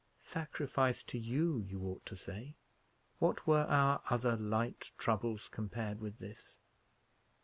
"Sacrifice to you, you ought to say. What were our other light troubles, compared with this?